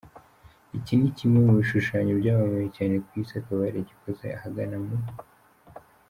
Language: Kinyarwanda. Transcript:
Iki ni kimwe mu bishushanyo byamamaye cyane ku isi, akaba yaragikoze ahagana mu .